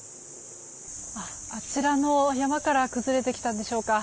あちらの山から崩れてきてたのでしょうか。